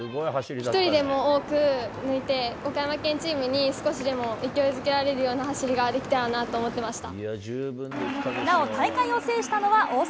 １人でも多く抜いて、岡山県チームに少しでも勢いづけられるような走りができたらなとなお、大会を制したのは大阪。